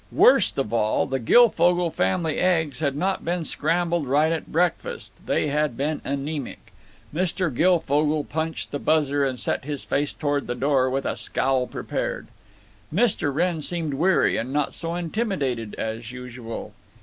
Worst of all, the Guilfogle family eggs had not been scrambled right at breakfast; they had been anemic. Mr. Guilfogle punched the buzzer and set his face toward the door, with a scowl prepared. Mr. Wrenn seemed weary, and not so intimidated as usual.